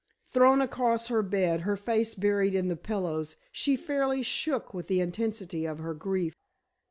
Thrown across her bed, her face buried in the pillows, she fairly shook with the intensity of her grief.